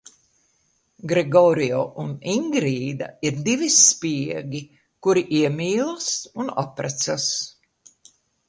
Gregorio un Ingrīda ir divi spiegi, kuri iemīlas un apprecas.